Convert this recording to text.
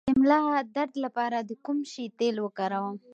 د ملا درد لپاره د کوم شي تېل وکاروم؟